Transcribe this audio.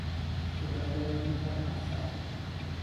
Sebagai melihat asam